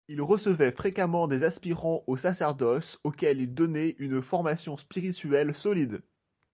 Il recevait fréquemment des aspirants au sacerdoce auxquels il donnait une formation spirituelle solide.